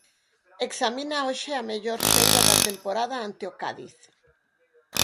Examina hoxe a mellor xeira da temporada ante o Cádiz.